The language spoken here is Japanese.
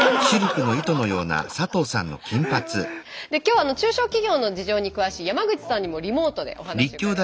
今日は中小企業の事情に詳しい山口さんにもリモートでお話伺います。